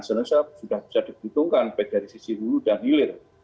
sebenarnya sudah bisa dibutuhkan baik dari sisi lulu dan hilir